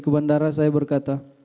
ke bandara saya berkata